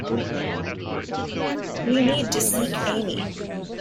We need to seek Amy.